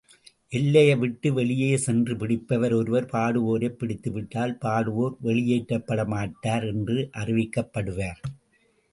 எல்லையைவிட்டு வெளியே சென்ற பிடிப்பவர் ஒருவர் பாடுவோரைப் பிடித்துவிட்டால், பாடுவோர் வெளியேற்றப்பட மாட்டார் என்று அறிவிக்கப்படுவார்.